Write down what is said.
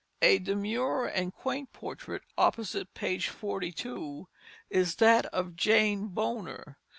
A demure and quaint portrait, opposite page 42, is that of Jane Bonner.